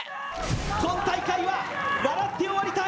今大会は笑って終わりたい。